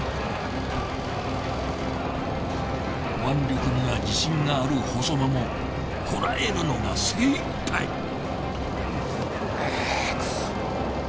腕力には自信がある細間もこらえるのが精いっぱい。